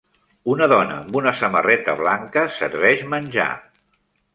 Una dona amb una samarreta blanca serveix menjar.